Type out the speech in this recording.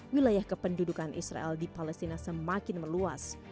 wilayah kependudukan israel di palestina semakin meluas